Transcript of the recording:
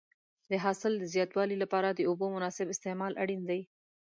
د حاصل د زیاتوالي لپاره د اوبو مناسب استعمال اړین دی.